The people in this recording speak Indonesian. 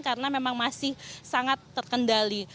karena memang masih sangat terkendali